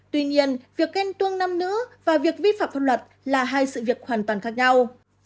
tuy nhiên việc khen tuông nam nữ và việc vi phạm pháp luật là hai sự việc hoàn toàn khác nhau